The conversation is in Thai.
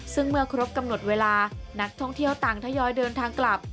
ซึ่งเมื่อครบกำหนดเวลานักท่องเที่ยวต่างทยอยเดินทางกลับ